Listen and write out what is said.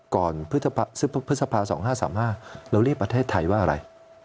พฤษภา๒๕๓๕เราเรียกประเทศไทยว่าอะไร